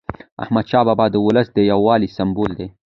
احمدشاه بابا د ولس د یووالي سمبول دی.